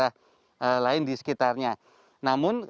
dan hidup dari pariwisata ini terdampak pandemi karena adanya ppkm